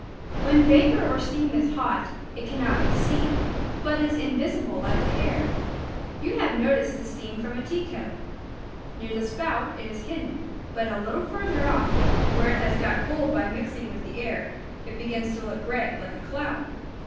When vapor or steam is hot, it can not be seen, but is invisible like the air. You have noticed the steam from a tea kettle. Near the spout it is hidden, but a little farther off, where it has got cooled by mixing with the air, it begins to look gray, like a cloud.